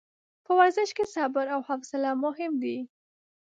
په ورزش کې صبر او حوصله مهم دي.